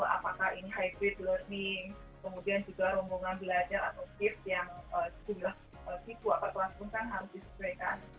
apakah ini hybrid learning kemudian juga rombongan belajar atau tips yang sudah situ atau telah dilakukan harus disesuaikan